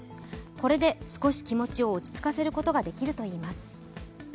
これで少し気持ちを落ち着かせることができるといいます。